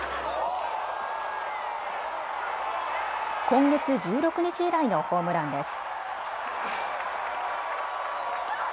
今月１６日以来のホームランです。